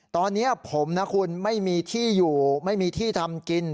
ตอนนี้ผมนะคุณไม่มีที่อยู่ไม่มีที่ทำกิน